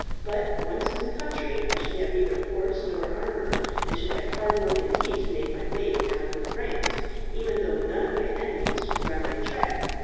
But once in the country, I should have neither horse nor armour, and should have hard work indeed to make my way down through France, even though none of my enemies were on my track.